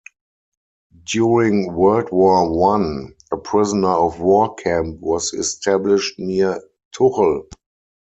During World War One, a prisoner-of-war camp was established near Tuchel.